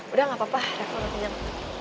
udah gak apa apa reva gak kenyang